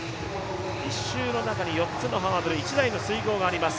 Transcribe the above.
１周の中に４つのハードル、１つの水濠があります。